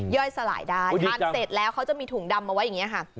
ย่อยสลายได้ทานเสร็จแล้วเขาจะมีถุงดำเอาไว้อย่างนี้ค่ะ